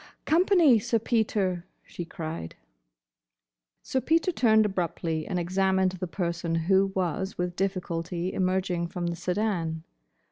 "Company, Sir Peter!" she cried. Sir Peter turned abruptly and examined the person who was with difficulty emerging from the sedan.